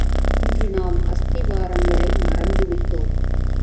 இன்று நாம் அஸ்திவாரங்களை மறந்து விட்டோம்!